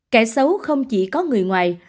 kẻ xấu không chỉ có người ngoài